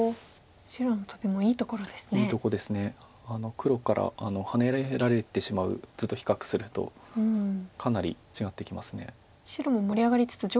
黒からハネられてしまう図と比較するとかなり違ってきます。